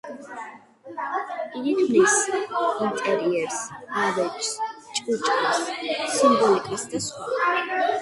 იგი ქმნის ინტერიერს, ავეჯს, ჭურჭელს, სიმბოლიკას და სხვა.